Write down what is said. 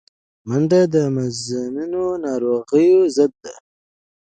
منډه د مزمنو ناروغیو ضد ده